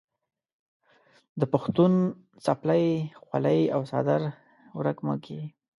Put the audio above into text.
د پښتون څپلۍ، خولۍ او څادر ورک مه کې.